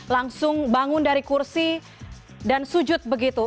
langsung bangun dari kursi dan sujud begitu